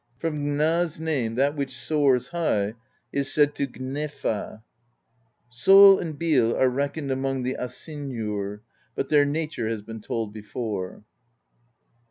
From Gna's name that which soars high is said to gncsfa.^ Sol and Bil are reckoned among the Asynjur, but their nature has been told before.